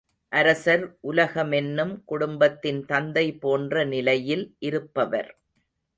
அரசர் உலகமென்னும் குடும்பத்தின் தந்தை போன்ற நிலையில் இருப்பவர்.